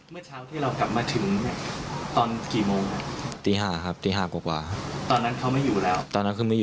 เมื่อเช้าที่เรากลับมาถึงตอนกี่โมงนะ